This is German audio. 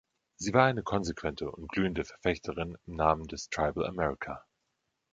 Sie war eine konsequente und glühende Verfechterin im Namen des Tribal America.